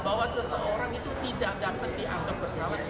bahwa seseorang itu tidak dapat dianggap bersalah